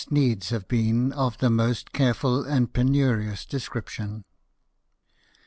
89 needs have been of the most careful and penurious description.